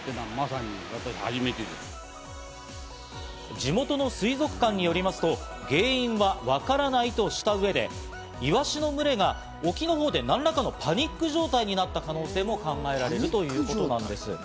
地元の水族館によりますと、原因はわからないとした上で、イワシの群れが、沖の方で何らかのパニック状態になった可能性も考えられるということです。